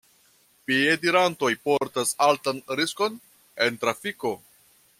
Piedirantoj portas altan riskon en trafiko.